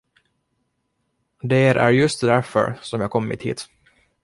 Der är just därför, som jag kommit hit.